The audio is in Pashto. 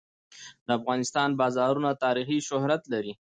د افغانستان بازارونه تاریخي شهرت لري.